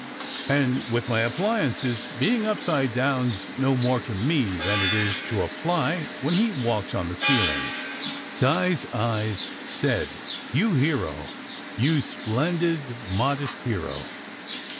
And with my appliances, being upside down s no more to me than it is to a fly when he walks on the ceiling." Di s eyes said, "You hero! you splendid, modest hero!"